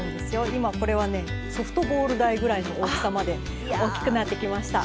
今、これはねソフトボール大ぐらいの大きさまで育ってきました。